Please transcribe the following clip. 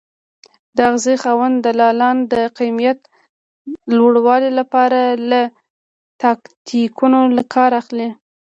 د اغېزې خاوند دلالان د قیمت لوړوالي لپاره له تاکتیکونو کار اخلي.